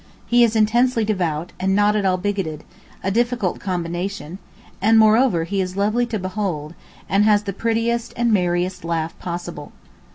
He is intensely devout, and not at all bigoted—a difficult combination; and, moreover, he is lovely to behold, and has the prettiest and merriest laugh possible.